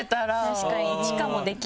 確かに。